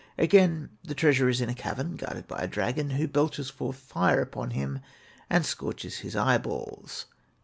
Again, the treasure is in a cavern, guarded by a dragon, which belches forth fire upon him and scorches his eyeballs.